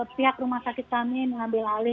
pihak rumah sakit kami mengambil alih